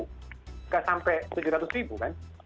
tidak sampai tujuh ratus ribu kan